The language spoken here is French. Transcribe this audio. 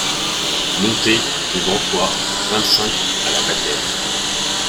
Monté, rue Gantois, vingt-cinq, à La Madeleine.